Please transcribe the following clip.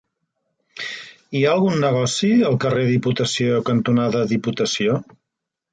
Hi ha algun negoci al carrer Diputació cantonada Diputació?